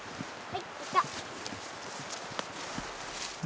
はい。